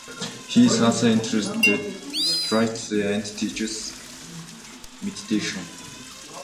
He is also interested in spirituality and teaches meditation.